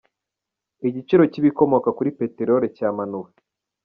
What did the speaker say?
Igiciro cy’ibikomoka kuri peteroli cyamanuwe